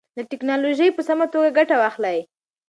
له ټکنالوژۍ په سمه توګه ګټه واخلئ.